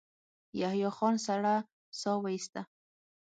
يحيی خان سړه سا وايسته.